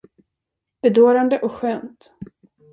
Bedårande och skönt!